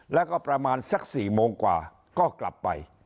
แล้วก็ประมาณสัก๔โมงกว่าก็กลับไป